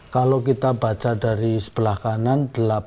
kalau kita baca dari sebelah kanan delapan ribu delapan ratus dua puluh satu